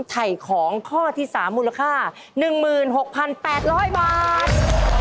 ไถ่ของข้อที่๓มูลค่า๑๖๘๐๐บาท